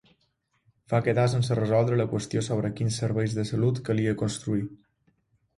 Va quedar sense resoldre la qüestió sobre quins serveis de salut calia construir.